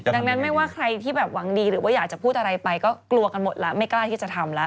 ดังนั้นไม่ว่าใครที่แบบหวังดีหรือว่าอยากจะพูดอะไรไปก็กลัวกันหมดแล้วไม่กล้าที่จะทำแล้ว